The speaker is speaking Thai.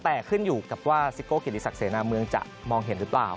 แต่ขึ้นอยู่กับว่าซิโก้เกียรติศักดิเสนาเมืองจะมองเห็นหรือเปล่า